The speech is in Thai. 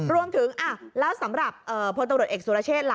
รวมถึงแล้วสำหรับพลตำรวจเอกสุรเชษล่ะ